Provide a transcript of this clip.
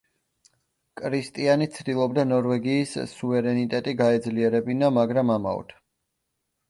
კრისტიანი ცდილობდა ნორვეგიის სუვერენიტეტი გაეძლიერებინა, მაგრამ ამაოდ.